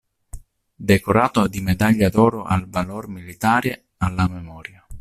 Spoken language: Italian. Decorato di Medaglia d'oro al valor militare alla memoria.